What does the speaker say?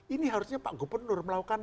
ini harusnya pak gubernur melakukan